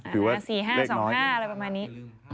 หรือว่าเลขนี้